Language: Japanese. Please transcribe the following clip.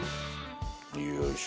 よいしょ。